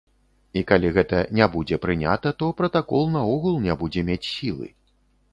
І калі гэта не будзе прынята, то пратакол наогул не будзе мець сілы.